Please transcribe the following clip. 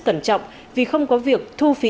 cẩn trọng vì không có việc thu phí